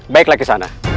baiklah ke sana